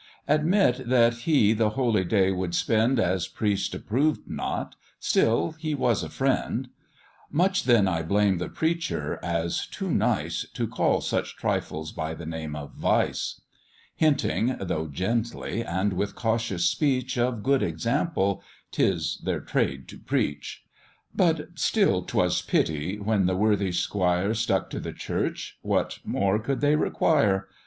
Admit that he the holy day would spend As priests approved not, still he was a friend: Much then I blame the preacher, as too nice, To call such trifles by the name of vice; Hinting, though gently and with cautious speech, Of good example 'tis their trade to preach. But still 'twas pity, when the worthy 'squire Stuck to the church, what more could they require?